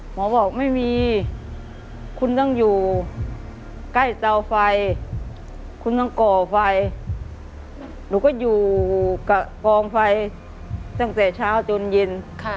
หมอบอกไม่มีคุณต้องอยู่ใกล้เตาไฟคุณต้องก่อไฟหนูก็อยู่กับกองไฟตั้งแต่เช้าจนเย็น